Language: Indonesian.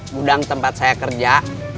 mudang tempat saya kerja